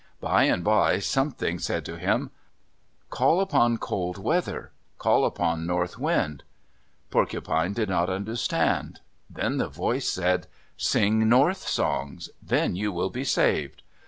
By and by Something said to him, "Call upon Cold weather, call upon North wind." Porcupine did not understand. Then the Voice said, "Sing North songs. Then you will be saved."